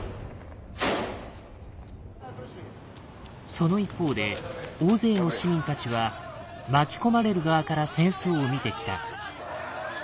その一方で大勢の市民たちは巻き込まれる側から戦争を見てきた。